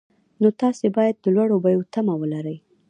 نو تاسو باید د لوړو بیو تمه ولرئ